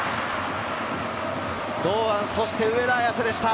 堂安、そして上田綺世でした。